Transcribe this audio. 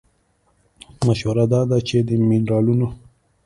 مشوره دا ده چې د مېنرالونو